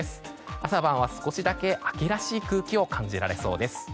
朝晩は少しだけ秋らしい空気を感じられそうです。